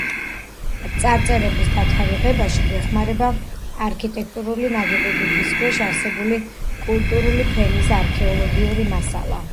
წარწერების დათარიღებაში გვეხმარება არქიტექტურული ნაგებობის ქვეშ არსებული კულტურული ფენის არქეოლოგიური მასალა.